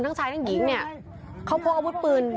ทั้งชายทั้งหญิงเนี่ยเขาพกอาวุธปืน